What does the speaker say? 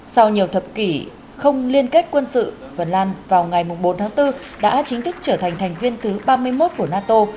sau nhiều thập kỷ không liên kết quân sự phần lan vào ngày bốn tháng bốn đã chính thức trở thành thành viên thứ ba mươi một của nato